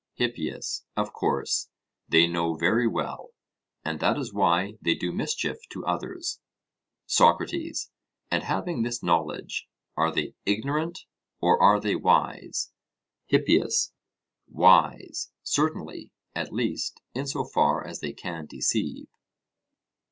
HIPPIAS: Of course, they know very well; and that is why they do mischief to others. SOCRATES: And having this knowledge, are they ignorant, or are they wise? HIPPIAS: Wise, certainly; at least, in so far as they can deceive.